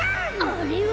あれは！